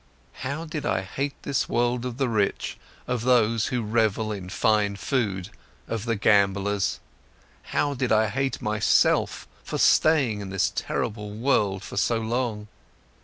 How I hated this world of the rich, of those who revel in fine food, of the gamblers! How I hated myself for staying in this terrible world for so long!